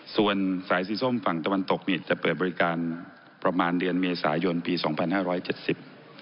ส่วนสายสีส้มฝั่งตะวันตกนี่จะเปิดบริการประมาณเดือนเมษายนปีสองพันห้าร้อยเจ็ดสิบ